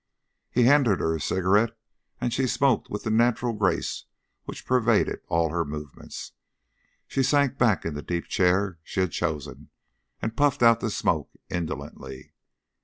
He handed her a cigarette, and she smoked with the natural grace which pervaded all her movements. She sank back in the deep chair she had chosen, and puffed out the smoke indolently.